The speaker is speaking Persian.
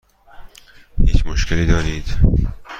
هیچ مشکلی دارید؟